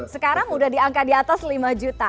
sekarang udah diangkat di atas lima juta